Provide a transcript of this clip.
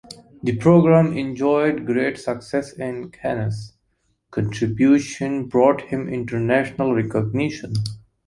The program enjoyed great success and Canus' contribution brought him international recognition.